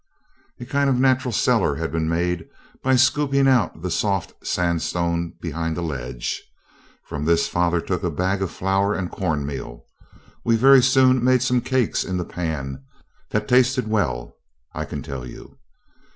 A kind of natural cellar had been made by scooping out the soft sandstone behind a ledge. From this father took a bag of flour and corn meal. We very soon made some cakes in the pan, that tasted well, I can tell you.